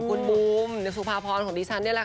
คุณบูมสุพาพรของดิชันได้แล้วค่ะ